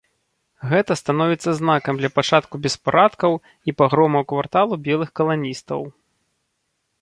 Гэта становіцца знакам для пачатку беспарадкаў і пагромаў кварталаў белых каланістаў.